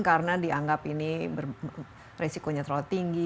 karena dianggap ini risikonya terlalu tinggi